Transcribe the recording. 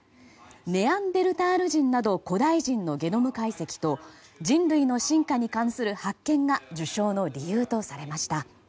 ネアンデルタール人など古代人のゲノム解析と人類の進化に関する発見が受賞の理由とされました。